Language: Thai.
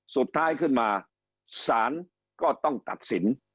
สุดท้ายขึ้นมาศาลก็ต้องตัดสิน